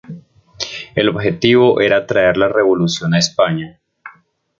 El objetivo era traer la revolución a España.